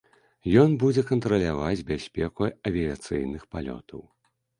Ён будзе кантраляваць бяспеку авіяцыйных палётаў.